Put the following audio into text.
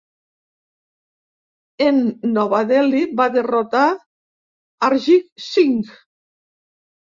En Nova Delhi va derrotar Arjit Singh.